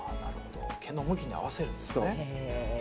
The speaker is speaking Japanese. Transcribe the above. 毛の向きに合わせるんですね。